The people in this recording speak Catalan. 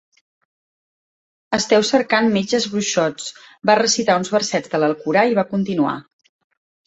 "Esteu cercant metges bruixots". Va recitar uns versets de l'Alcorà i va continuar.